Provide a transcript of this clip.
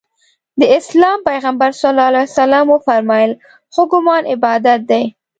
د اسلام پیغمبر ص وفرمایل ښه ګمان عبادت دی.